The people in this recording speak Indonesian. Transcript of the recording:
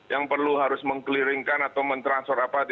yang perlu harus mengkeliringkan atau mentransfer apa apa